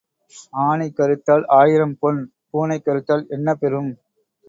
ஆனை கறுத்தால் ஆயிரம் பொன், பூனை கறுத்தால் என்ன பெறும்?